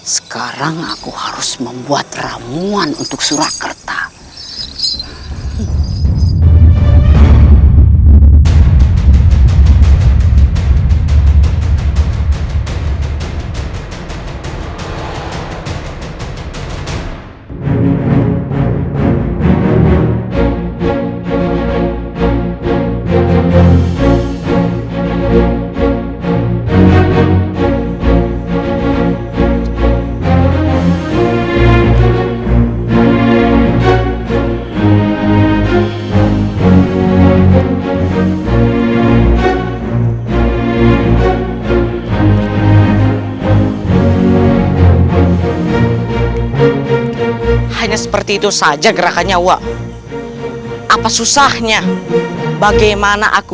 sekarang aku harus membuat ramuan untuk surakerta